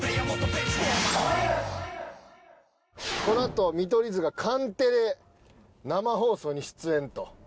このあと見取り図がカンテレ生放送に出演と。